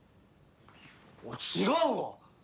違うわ！